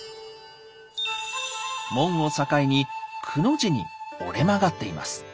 門を境にくの字に折れ曲がっています。